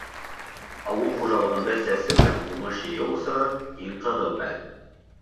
Ауыл хужалығында сәсеү һәм уңыш йыйыу осоро — иң ҡыҙыу мәл.